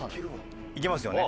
いけますよね。